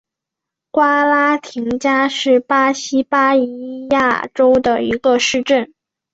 瓜拉廷加是巴西巴伊亚州的一个市镇。